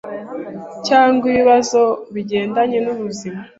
cyangwa ibibazo bigendanye n’ubuzima ,